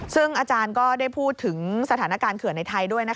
ซึ่งอาจารย์ก็ได้พูดถึงสถานการณ์เขื่อนในไทยด้วย